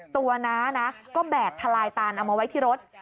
น้านะก็แบกทะลายตานเอามาไว้ที่รถ